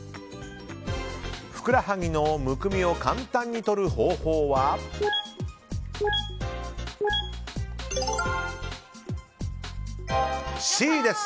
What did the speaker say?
ふくらはぎのむくみを簡単にとる方法はＣです。